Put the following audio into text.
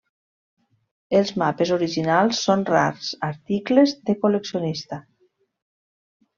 Els mapes originals són rars articles de col·leccionista.